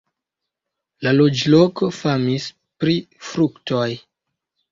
La loĝloko famis pri fruktoj.